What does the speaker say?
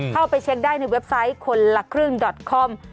เข้าไปเช็คได้ในเว็บไซต์คนละครึ่งดอตคอม